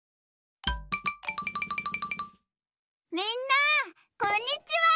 みんなこんにちは！